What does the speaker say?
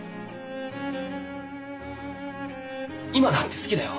今だって好きだよ。